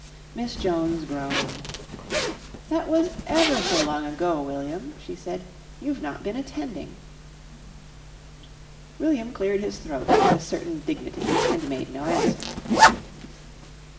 Miss Jones groaned. "That was ever so long ago, William," she said. "You've not been attending." William cleared his throat with a certain dignity and made no answer.